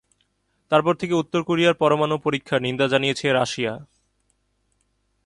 তারপর থেকে উত্তর কোরিয়ার পরমাণু পরীক্ষার নিন্দা জানিয়েছে রাশিয়া।